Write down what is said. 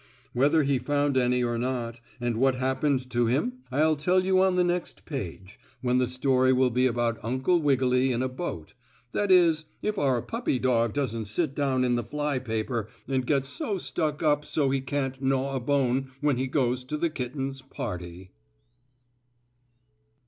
Whether he found any or not, and what happened to him, I'll tell you on the next page, when the story will be about Uncle Wiggily in a boat that is if our puppy dog doesn't sit down in the fly paper and get so stuck up so he can't gnaw a bone when he goes to the kitten's party.